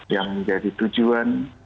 yang menjadi tujuan